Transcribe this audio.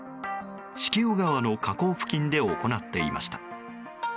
敷生川の河口付近で行っていました。